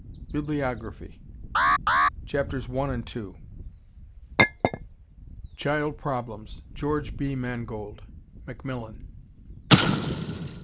BIBLIOGRAPHY. CHAPTERS I AND II. Child Problems, George B. Mangold Macmillan.